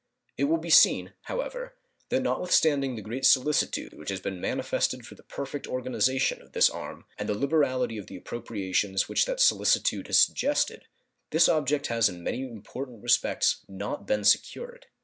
It will be seen, however, that not withstanding the great solicitude which has been manifested for the perfect organization of this arm and the liberality of the appropriations which that solicitude has suggested, this object has in many important respects not been secured.